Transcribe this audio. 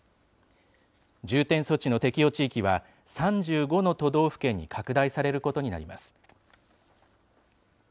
重点措置の適用地域は、３５の都道府県に拡大されることになります。